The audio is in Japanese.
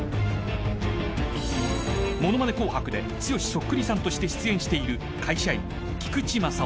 ［『ものまね紅白』で剛そっくりさんとして出演している］